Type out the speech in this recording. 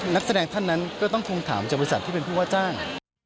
นักแสดงท่านนั้นก็ต้องคงถามจากบริษัทที่เป็นผู้ว่าจ้าง